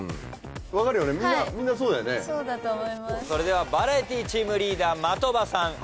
それではバラエティチームリーダー的場さん